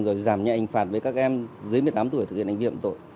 rồi giảm nhẹ hình phạt với các em dưới một mươi tám tuổi thực hiện hành vi phạm tội